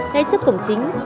ngay trước cổng chính